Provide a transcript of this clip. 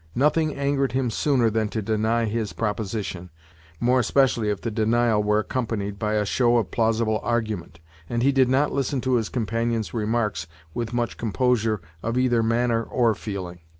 Nothing angered him sooner than to deny his proposition, more especially if the denial were accompanied by a show of plausible argument; and he did not listen to his companion's remarks with much composure of either manner or feeling.